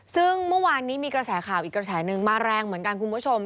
ซึ่งเมื่อวานนี้มีกระแสข่าวอีกกระแสนึงมาแรงเหมือนกันคุณผู้ชม